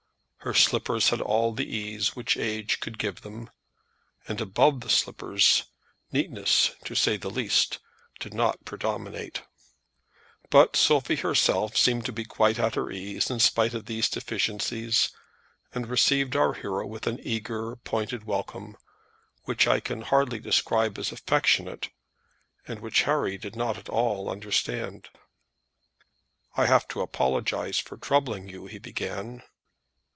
Her slippers had all the ease which age could give them, and above the slippers, neatness, to say the least of it, did not predominate. But Sophie herself seemed to be quite at her ease in spite of these deficiencies, and received our hero with an eager, pointed welcome, which I can hardly describe as affectionate, and which Harry did not at all understand. "I have to apologize for troubling you," he began.